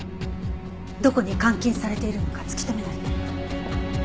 どこに監禁されているのか突き止めないと。